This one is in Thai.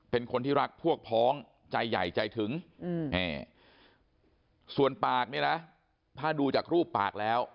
เป็นคนที่รักพวกพ้องใจใหญ่ใจถึงส่วนปากเนี่ยนะถ้าดูจากรูปปากแล้ว